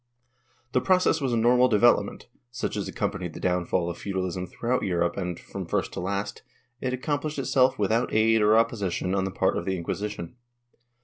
The process was a normal development, such as accompanied the downfall of feudalism throughout Europe and, from first to last, it accomplished itself without aid or oppo sition on the part of the Inquisition.